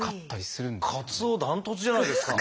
かつお断トツじゃないですか！